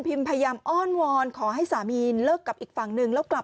พยายามอ้อนวอนขอให้สามีเลิกกับอีกฝั่งหนึ่งแล้วกลับ